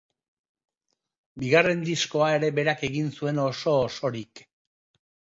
Bigarren diskoa ere berak egin zuen oso osorik.